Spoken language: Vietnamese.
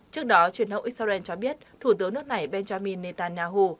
trước đó truyền thông israel cho biết thủ tướng nước này benjamin netanyahu